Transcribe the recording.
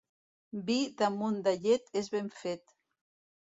Vi damunt de llet és ben fet.